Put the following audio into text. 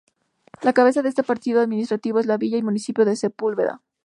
La cabeza de este partido administrativo es la villa y municipio de Sepúlveda.